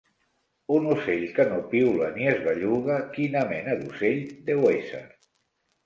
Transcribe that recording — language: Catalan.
Un ocell, que no piula ni es belluga… quina mena d'ocell deu ésser?